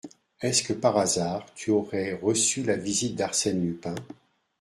Est-ce que par hasard tu aurais reçu la visite d’Arsène Lupin ?